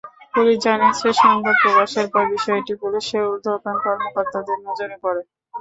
Police জানিয়েছে, সংবাদ প্রকাশের পর বিষয়টি পুলিশের ঊর্ধ্বতন কর্মকর্তাদের নজরে পড়ে।